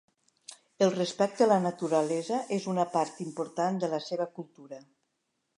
El respecte a la naturalesa és una part important de la seva cultura.